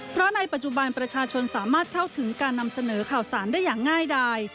เพราะในปัจจุบันประชาชนสามารถเข้าถึงการนำเสนอข่าวสารได้อย่างง่ายดาย